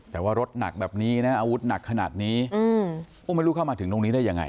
แต่ว่ารถหนักแบบนี้นะอาวุธหนักขนาดนี้โอ้ไม่รู้เข้ามาถึงตรงนี้ได้ยังไง